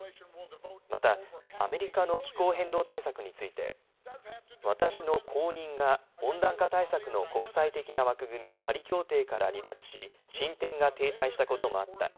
また、アメリカの気候変動対策について私の後任が温暖化対策の国際的な枠組み、パリ協定から離脱し、進展が停滞したこともあった。